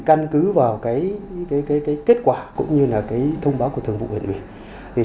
căn cứ vào kết quả cũng như thông báo của thượng vụ huyện nguyễn